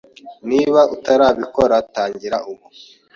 Niba utarabikora tangira ubu